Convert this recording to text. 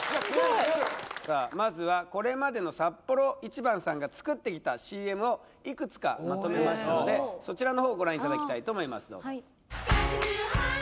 すごいまずはこれまでのサッポロ一番さんが作ってきたＣＭをいくつかまとめましたのでそちらの方ご覧いただきたいと思います